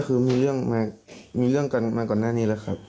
คือมีเรื่องมาก่อนหน้านี้แหละครับ